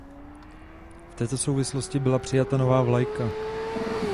V této souvislosti byla přijata nová vlajka.